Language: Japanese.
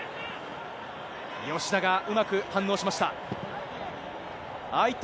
吉田がうまく反応しました。